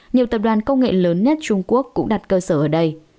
nhiều tập đoàn công nghệ lớn nhất trung quốc cũng đặt cơ sở ở đây